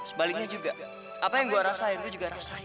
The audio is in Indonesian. sebaliknya juga apa yang gua rasain lu juga rasain